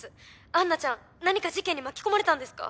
アンナちゃん何か事件に巻き込まれたんですか？